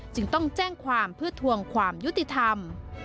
จึงต้องแจ้งความเพื่อทวงความยุติธรรม